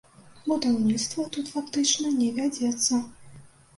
Будаўніцтва тут фактычна не вядзецца.